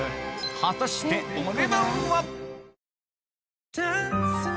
果たしてお値段は？